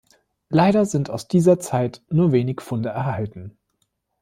Leider sind aus dieser Zeit nur wenig Funde erhalten.